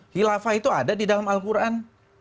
khilafah itu ada di dalam al quran